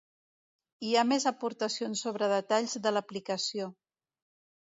Hi ha més aportacions sobre detalls de l'aplicació.